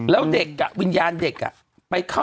แล้ววิญญาณเด็ก